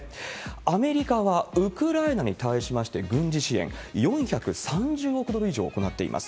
アメリカはウクライナに対しまして軍事支援、４３０億ドル以上行っています。